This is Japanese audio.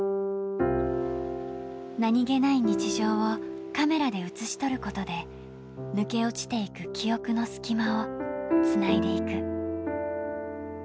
何気ない日常をカメラで写し取ることで、抜け落ちていく記憶の隙間をつないでいく。